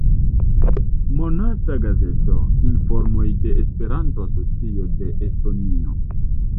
Monata gazeto: "Informoj de Esperanto-Asocio de Estonio".